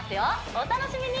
お楽しみに！